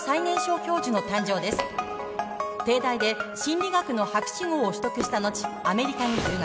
帝大で心理学の博士号を取得した後アメリカに留学。